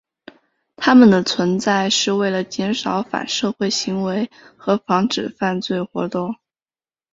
他们的存在是为了减少反社会行为和防止犯罪活动。